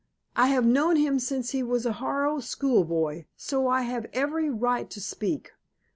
I have known him since he was a Harrow schoolboy, so I have every right to speak.